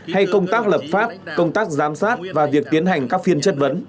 hay công tác lập pháp công tác giám sát và việc tiến hành các phiên chất vấn